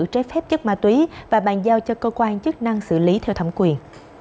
trái phép chất ma túy và bàn giao cho cơ quan chức năng xử lý theo thẩm quyền